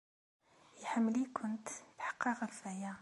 Iḥemmel-ikent. Tḥeqqeɣ ɣef waya.